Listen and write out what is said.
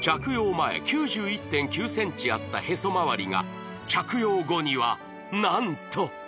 前９１．９ｃｍあったへそ周りが着用後には何とおお！